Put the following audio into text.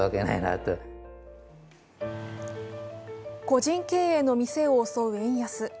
個人経営の店を襲う円安。